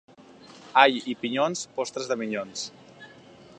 All i pinyons, postres de minyons.